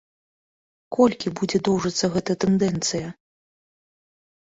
Колькі будзе доўжыцца гэта тэндэнцыя?